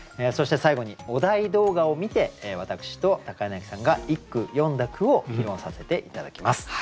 そして最後にお題動画を観て私と柳さんが一句詠んだ句を披露させて頂きます。